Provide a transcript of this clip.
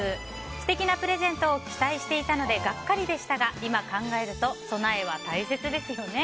素敵なプレゼントを期待していたのでがっかりでしたが今考えると備えは大切ですよね。